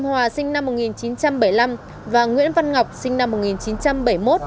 hòa sinh năm một nghìn chín trăm bảy mươi năm và nguyễn văn ngọc sinh năm một nghìn chín trăm bảy mươi một